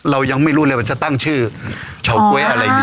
เรายังไม่รู้เลยว่าจะตั้งชื่อเฉาก๊วยอะไรอย่างนี้